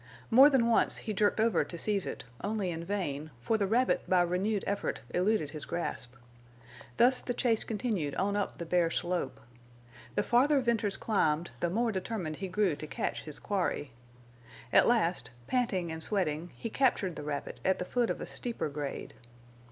More than once he jerked over to seize it, only in vain, for the rabbit by renewed effort eluded his grasp. Thus the chase continued on up the bare slope. The farther Venters climbed the more determined he grew to catch his quarry. At last, panting and sweating, he captured the rabbit at the foot of a steeper grade.